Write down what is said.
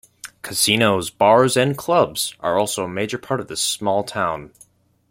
Casinos, bars, and clubs are also a major part of this small town.